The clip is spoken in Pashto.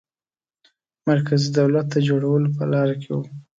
مرکزي دولت د جوړولو په لاره کې وو.